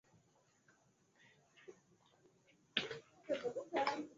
kiganirwaho nawe n'umufasha wawe gusa